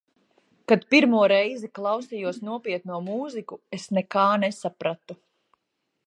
Kad pirmo reizi klausījos nopietno mūziku, es nekā nesapratu.